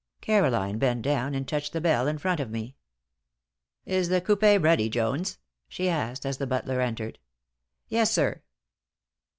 Caroline bent down and touched the bell in front of me. "Is the coupé ready, Jones?" she asked, as the butler entered. "Yes, sir."